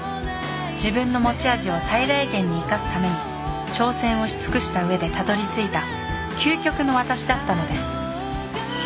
自分の持ち味を最大限に生かすために挑戦をし尽くした上でたどりついた究極の私だったのです。